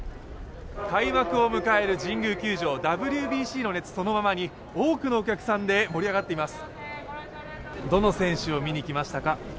開幕を迎える神宮球場、ＷＢＣの熱そのままに、多くのお客さんで盛り上がっています。